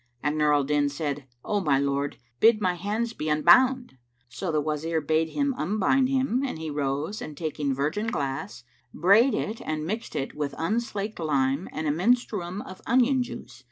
And Nur al Din said, "O my lord, bid my hands be unbound!" So the Wazir bade unbind him and he rose and taking virgin glass,[FN#554] brayed it and mixed it with unslaked lime and a menstruum of onion juice.